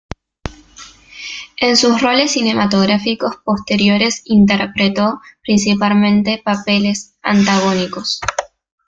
En sus roles cinematográficos posteriores interpretó principalmente papeles antagónicos.